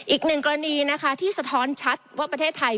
อีกหนึ่งกรณีนะคะที่สะท้อนชัดว่าประเทศไทย